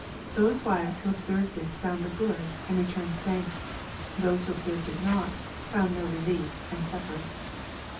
Those wives who observed it found the good, and returned thanks ; those who observed it not, found no relief, and suffered.